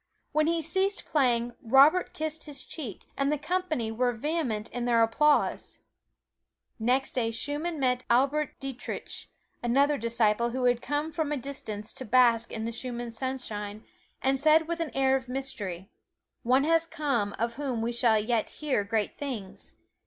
When he ceased playing, Robert kissed his cheek, and the company were vehement in their applause. Next day Schumann met Albert Dietrich, another disciple who had come from a distance to bask in the Schumann sunshine, and said with an air of mystery: "One has come of whom we shall yet hear great things.